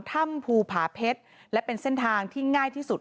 ถ้ำภูผาเพชรและเป็นเส้นทางที่ง่ายที่สุด